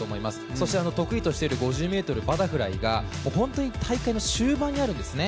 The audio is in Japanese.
そして得意としている５０ｍバタフライが本当に大会の終盤にあるんですね。